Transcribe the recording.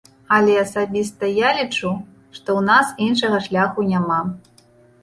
Але асабіста я лічу, што ў нас іншага шляху няма.